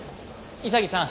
潔さん。